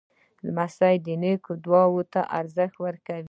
لمسی د نیکه دعا ته ارزښت ورکوي.